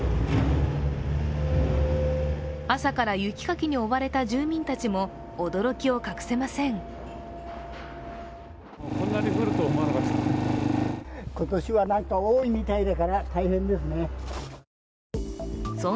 朝から雪かきに追われた住民たちも驚きを隠せません。